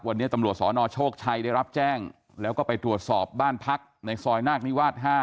วันนี้ตำรวจสนโชคชัยได้รับแจ้งแล้วก็ไปตรวจสอบบ้านพักในซอยนาคนิวาส๕